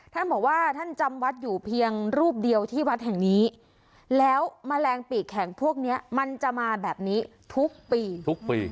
ท่านบอกว่าท่านจำวัดอยู่เพียงรูปเดียวที่วัดแห่งนี้แล้วแมลงปีกแข็งพวกเนี้ยมันจะมาแบบนี้ทุกปีทุกปี